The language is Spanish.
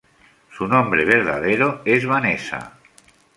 Su nombre verdadero es Vanessa.